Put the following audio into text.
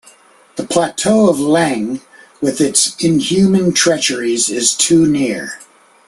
The plateau of Leng with its inhuman treacheries is too near.